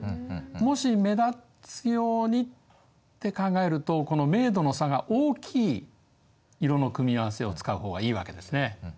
もし目立つようにって考えるとこの明度の差が大きい色の組み合わせを使う方がいいわけですね。